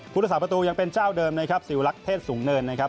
รักษาประตูยังเป็นเจ้าเดิมนะครับสิวลักษ์เทศสูงเนินนะครับ